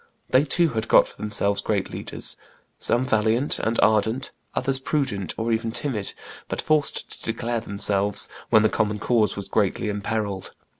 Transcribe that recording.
They too had got for themselves great leaders, some valiant and ardent, others prudent or even timid, but forced to declare themselves when the common cause was greatly imperilled.